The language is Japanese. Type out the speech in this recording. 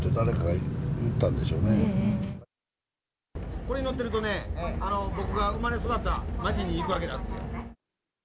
これに乗ってるとね、僕が生まれ育った街に行くわけなんですよ。